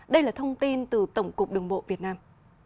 đây là thông tin từ tổng cục đường bộ việt nam